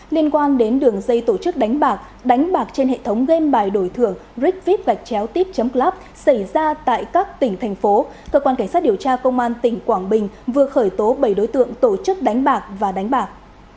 liên quan đến đường dây tổ chức đánh bạc đánh bạc trên hệ thống game bài đổi thưởng rickview gạch chéo típ club xảy ra tại các tỉnh thành phố cơ quan cảnh sát điều tra công an tỉnh quảng bình vừa khởi tố bảy đối tượng tổ chức đánh bạc và đánh bạc